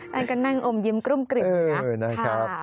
นายก็นั่งอมยิ้มกรุ่มกริ่มนะครับ